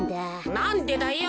なんでだよ。